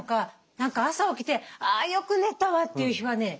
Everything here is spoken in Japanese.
何か朝起きてあよく寝たわっていう日はね